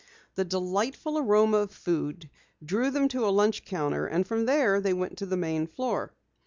The delightful aroma of food drew them to a lunch counter, and from there they went to the main floor.